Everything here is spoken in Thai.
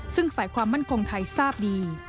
ซึ่งฝ่ายความมั่นคงไทยทราบดี